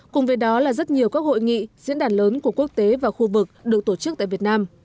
cùng với đó là rất nhiều các hội nghị diễn đàn lớn của quốc tế và khu vực được tổ chức tại việt nam